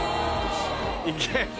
行け。